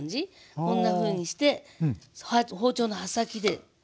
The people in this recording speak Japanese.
こんなふうにして包丁の刃先で。